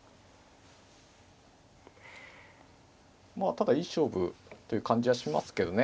ただいい勝負という感じはしますけどね。